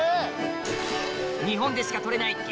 日本でしか撮れない激